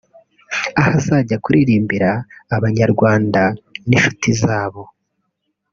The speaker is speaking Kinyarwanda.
aho azajya kuririmbira Abanyarwanda n’inshuti zabo